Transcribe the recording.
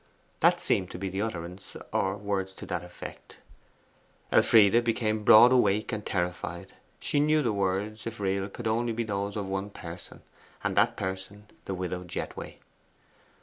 That seemed to be the utterance, or words to that effect. Elfride became broad awake and terrified. She knew the words, if real, could be only those of one person, and that person the widow Jethway.